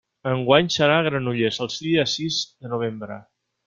Enguany serà a Granollers, el dia sis de novembre.